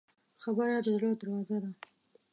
خبره د زړه دروازه ده.